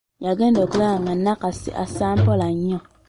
Yagenda okulaba nga Nakasi assa mpola nnyo.